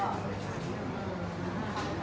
ร้านวีดงาม